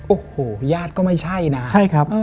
โอ้โหญาติก็ไม่ใช่นะ